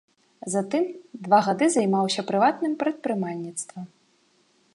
Затым два гады займаўся прыватным прадпрымальніцтвам.